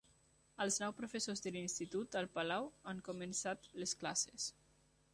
Els nou professors de l'institut el Palau han començat les classes